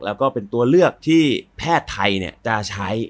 แล้วก็เป็นตัวเลือกที่แพทย์ไทยจะใช้